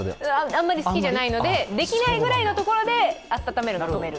あんまり好きじゃないのでできないぐらいのところで温めるのを止める。